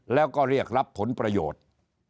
แล้วก็เรียกรับผลประโยชน์